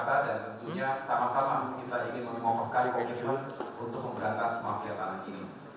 dan tentunya sama sama kita ingin mengoperasikan komitmen untuk memberantas mafia tanah ini